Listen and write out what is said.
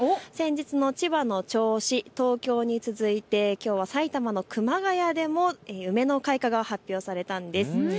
先日の千葉の銚子、東京に続いてきょうは埼玉の熊谷でも、梅の開花が発表されたんです。